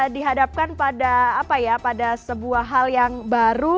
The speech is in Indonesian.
dihadapkan pada apa ya pada sebuah hal yang baru